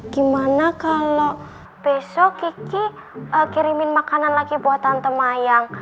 gimana kalau besok kiki kirimin makanan lagi buat tante mayang